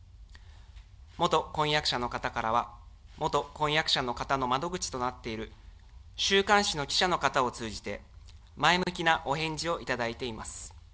元婚約者の方からは、元婚約者の方の窓口となっている、週刊誌の記者の方を通じて、前向きなお返事を頂いています。